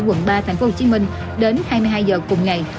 quận ba tp hcm đến hai mươi hai giờ cùng ngày